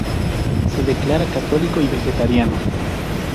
Se declara católico y vegetariano.